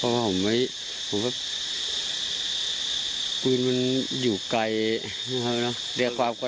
เพราะว่าผมไม่ผมแบบปืนมันอยู่ไกลนะครับเนอะ